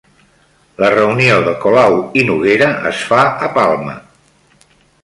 La reunió de Colau i Noguera es fa a Palma